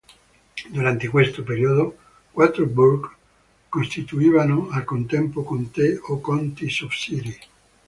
Durante questo periodo quattro burgh costituivano al contempo contee, o "counties of cities".